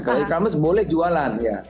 kalau e commerce boleh jualan